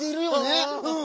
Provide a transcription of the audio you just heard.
うん。